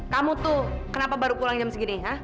kamu tuh kenapa baru pulang jam segini ya